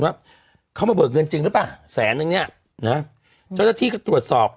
ว่าเขามาเบิกเงินจริงหรือเปล่าแสนนึงเนี่ยนะเจ้าหน้าที่ก็ตรวจสอบ